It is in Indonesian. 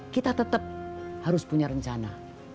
kita tetap harus punya rencana